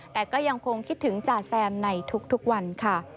แต่ก็ยังคงคิดถึงจ่าแซมในทุกวันค่ะ